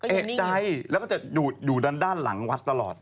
เอกใจแล้วก็จะดูด้านหลังวัดตลอด